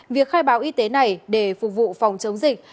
việc khai báo y tế này để phục vụ phòng chống dịch